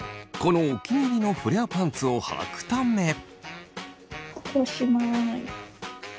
このお気に入りのフレアパンツをはくため。